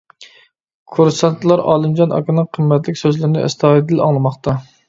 كۇرسانتلار ئالىمجان ئاكىنىڭ قىممەتلىك سۆزلىرىنى ئەستايىدىل ئاڭلىماقتا.